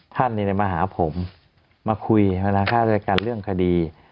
ท่านมาหาผมมาคุยเวลาข้าวด้วยกันเรื่องคดี